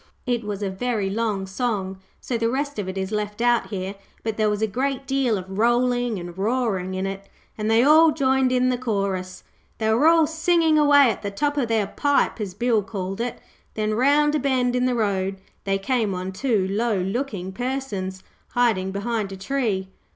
It was a very long song, so the rest of it is left out here, but there was a great deal of rolling and roaring in it, and they all joined in the chorus. They were all singing away at the top of their pipe, as Bill called it, when round a bend in the road they came on two low looking persons hiding behind a tree.